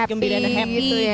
gembira dan happy gitu